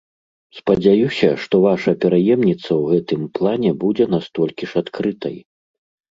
Спадзяюся, што ваша пераемніца ў гэтым плане будзе настолькі ж адкрытай.